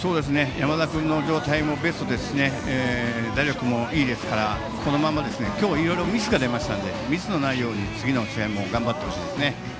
山田君の状態もベストですし打力もいいですから今日いろいろミスが出ましたのでミスのないように次の試合も頑張ってほしいですね。